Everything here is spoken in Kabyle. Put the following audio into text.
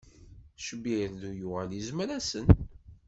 Cbirdu yuɣal izmer-asen.